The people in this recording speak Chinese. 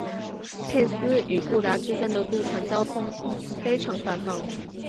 佩斯与布达之间的渡船交通非常繁忙。